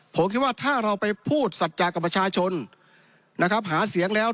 ผมคิดว่าถ้าเราไปพูดสัจจากับประชาชนนะครับหาเสียงแล้ว